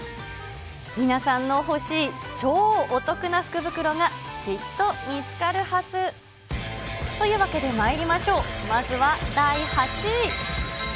皆さんの欲しい超お得な福袋がきっと見つかるはず。というわけで、まいりましょう、まずは第８位。